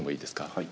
はい。